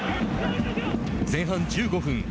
前半１５分。